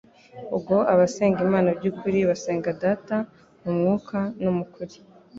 ubwo abasenga Imana by'ukuri, basenga Data mu mwuka no mu kuri;